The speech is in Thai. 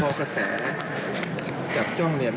พอกระแสจับจ้องเนี่ย